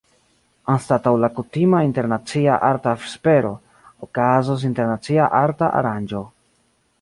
Anstataŭ la kutima Internacia Arta Vespero, okazos “Internacia Arta Aranĝo”.